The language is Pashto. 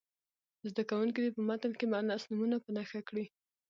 زده کوونکي دې په متن کې مونث نومونه په نښه کړي.